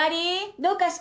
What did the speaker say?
どうした？